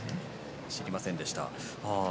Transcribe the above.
知りませんでした。